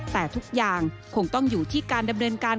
แต่ทุกอย่างคงต้องอยู่ที่การดำเนินการ